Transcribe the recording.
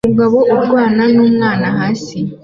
Umugabo urwana numwana hasi